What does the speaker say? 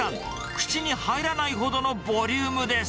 口に入らないほどのボリュームです。